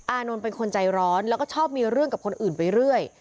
อานนท์เป็นคนใจร้อนแล้วก็ชอบมีเรื่องกับคนอื่นไปเรื่อย